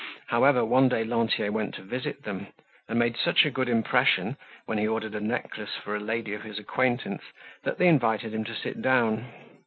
However, one day Lantier went to visit them and made such a good impression when he ordered a necklace for a lady of his acquaintance that they invited him to sit down.